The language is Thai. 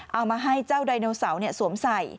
เอามาให้เจ้าไดโนเสาร์สวมใส่